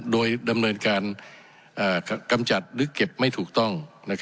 โดยดำเนินการกำจัดหรือเก็บไม่ถูกต้อง